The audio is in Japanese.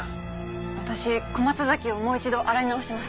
私小松崎をもう一度洗い直します。